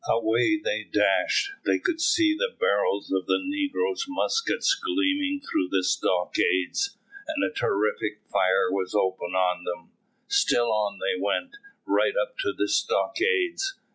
Away they dashed; they could see the barrels of the negroes' muskets gleaming through the stockades, and a terrific fire was opened on them. Still on they went, right up to the stockades.